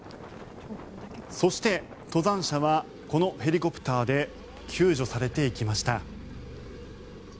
そして、登山者はこのヘリコプターで救助されていきました。